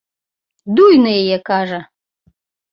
Дуй на яе, кажа!